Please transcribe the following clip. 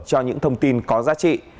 cho những thông tin có giá trị